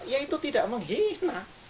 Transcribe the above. ya itu tidak menghina